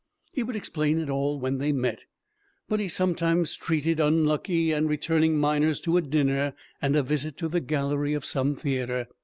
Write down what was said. He would explain it all when they met. But he sometimes treated unlucky and returning miners to a dinner and a visit to the gallery of some theatre.